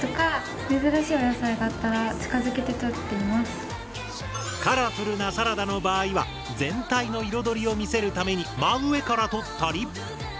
いつもはカラフルなサラダの場合は全体の彩りを見せるために真上から撮ったり。